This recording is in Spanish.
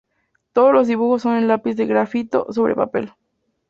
Todos los dibujos son en lápiz de grafito sobre papel.